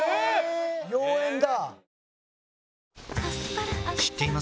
妖艶だ！